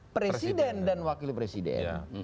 presiden dan wakil presiden